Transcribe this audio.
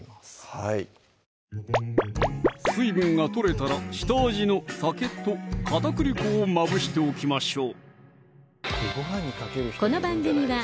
はい水分が取れたら下味の酒と片栗粉をまぶしておきましょう